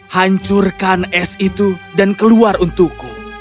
hancurkan es itu dan keluar untukku